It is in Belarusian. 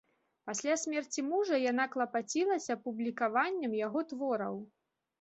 Пасля смерці мужа яна клапацілася публікаваннем яго твораў.